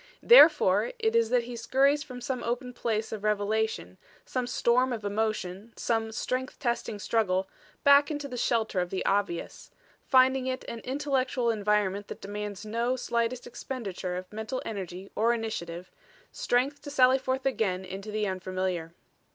Therefore it is that he scurries from some open place of revelation, some storm of emotion, some strength testing struggle, back into the shelter of the obvious; finding it an intellectual environment that demands no slightest expenditure of mental energy or initiative, strength to sally forth again into the unfamiliar.